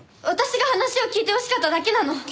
私が話を聞いてほしかっただけなの。